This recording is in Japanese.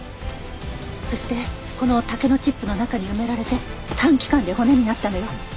そしてこの竹のチップの中に埋められて短期間で骨になったのよ。